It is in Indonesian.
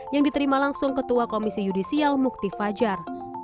yang diterima langsung ketua komisi yudisial mukti fajar